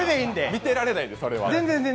見てられないんで、それは。